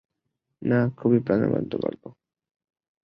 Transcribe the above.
না, খুবই প্রাণবন্ত গল্প।